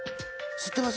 吸ってます